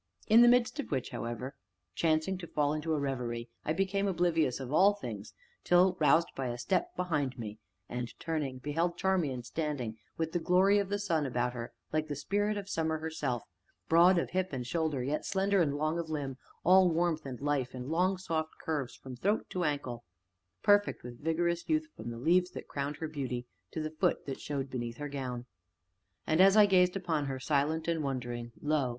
In the midst of which, however, chancing to fall into a reverie, I became oblivious of all things till roused by a step behind me, and, turning, beheld Charmian standing with the glory of the sun about her like the Spirit of Summer herself, broad of hip and shoulder, yet slender, and long of limb, all warmth and life, and long, soft curves from throat to ankle perfect with vigorous youth from the leaves that crowned her beauty to the foot that showed beneath her gown. And, as I gazed upon her, silent and wondering, lo!